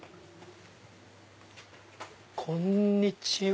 こんにちは。